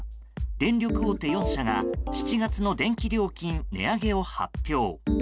電力大手４社が７月の電気料金値上げを発表。